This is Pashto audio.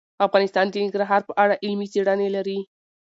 افغانستان د ننګرهار په اړه علمي څېړنې لري.